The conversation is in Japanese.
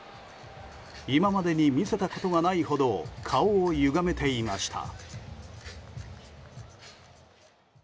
今までに見せたことがないほど顔をゆがめていました。